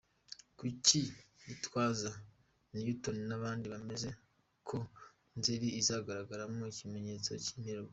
Kuki Gitwaza, Newton n’abandi bemeza ko Nzeli izagaragaramo ikimenyetso cy’imperuka?.